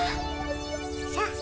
さあ